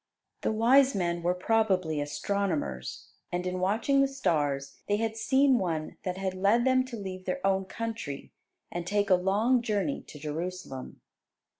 The wise men were probably astronomers; and in watching the stars they had seen one that had led them to leave their own country, and take a long journey to Jerusalem.